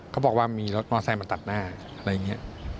เขาบอกว่ามีรถมอไซค์มาตัดหน้าอะไรอย่างนี้